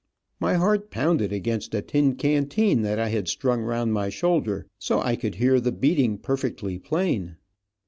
My heart pounded against a tin canteen that I had strung around my shoulder, so I could hear the beating perfectly plain.